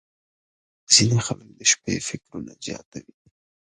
• ځینې خلک د شپې فکرونه زیاتوي.